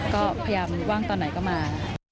ก็พยายามว่างตอนไหนก็มา